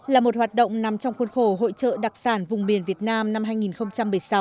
là một hoạt động nằm trong khuôn khổ hội trợ đặc sản vùng miền việt nam năm hai nghìn một mươi sáu